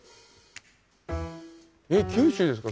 えっ九州ですか？